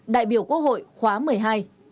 đại biểu quốc hội khóa một mươi hai